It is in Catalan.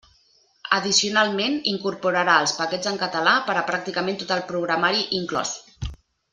Addicionalment, incorporà els paquets en català per a pràcticament tot el programari inclòs.